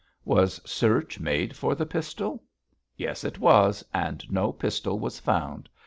'Was search made for the pistol?' 'Yes, it was, and no pistol was found.